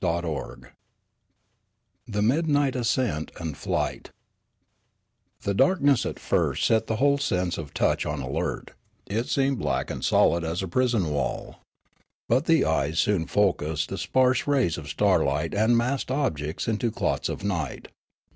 CHAPTER XVII THE MIDNIGHT ASCENT AND FLIGHT THE darkness at first set the whole sense of touch on the alert ; it seemed black and solid as a prison wall. But the e5^es soon focussed the sparse rays of starlight and massed objects into clots of night.